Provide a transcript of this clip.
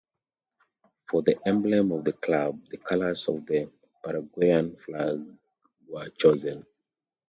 For the emblem of the club, the colors of the Paraguayan flag were chosen.